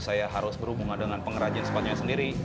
saya harus berhubungan dengan pengrajin sepatunya sendiri